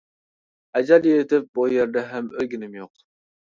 ئەجەل يېتىپ بۇ يەردە ھەم ئۆلگىنىم يوق.